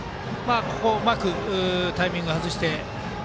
うまくタイミングを外して。